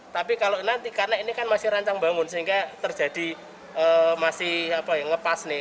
tapi kalau nanti karena ini kan masih rancang bangun sehingga terjadi masih ngepas nih